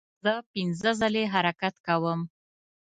زه پنځه ځلې حرکت کوم.